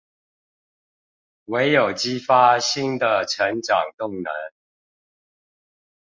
唯有激發新的成長動能